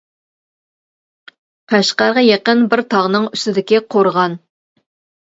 قەشقەرگە يېقىن بىر تاغنىڭ ئۇستىدىكى قورغان.